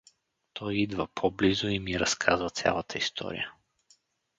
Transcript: Той идва по-близо и ми разказва цялата история.